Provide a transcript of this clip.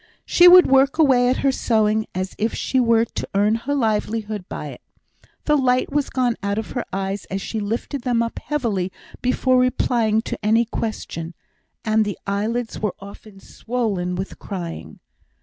She would work away at her sewing as if she were to earn her livelihood by it; the light was gone out of her eyes as she lifted them up heavily before replying to any question, and the eyelids were often swollen with crying.